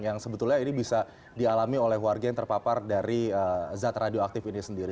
yang sebetulnya ini bisa dialami oleh warga yang terpapar dari zat radioaktif ini sendiri